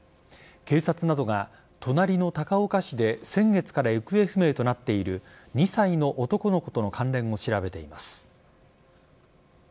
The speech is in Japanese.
警察などが隣の高岡市で先月から行方不明となっている２歳の男の子との関連を調べています。